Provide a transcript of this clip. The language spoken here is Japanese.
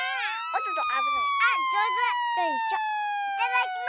いただきま。